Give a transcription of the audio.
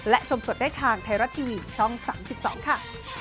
และชมสดได้ทางไทยรัฐทีวีช่อง๓๒ค่ะ